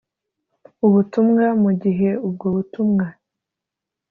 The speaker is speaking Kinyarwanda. ubutumwa mu gihe ubwo butumwa